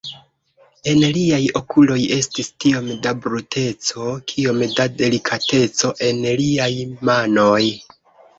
En liaj okuloj estis tiom da bruteco, kiom da delikateco en liaj manoj.